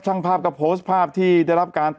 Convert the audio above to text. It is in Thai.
ช่างภาพก็โพสต์ภาพที่ได้รับการ